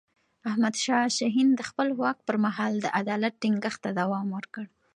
احمد شاه حسين د خپل واک پر مهال د عدالت ټينګښت ته دوام ورکړ.